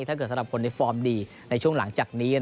สำหรับคนในฟอร์มดีในช่วงหลังจากนี้